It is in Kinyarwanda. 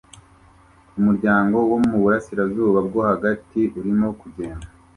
Umuryango wo mu burasirazuba bwo hagati urimo kugenda